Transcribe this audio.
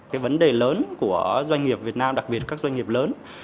cái vấn đề lớn của doanh nghiệp việt nam đặc biệt các doanh nghiệp lớn